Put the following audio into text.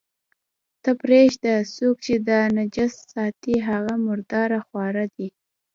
ته پرېږده، څوک چې دا نجس ساتي، هغه مرداره خواره دي.